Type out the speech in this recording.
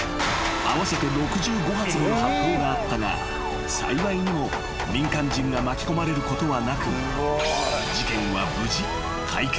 合わせて６５発の発砲があったが幸いにも民間人が巻き込まれることはなく］